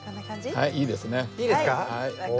はいいいですね。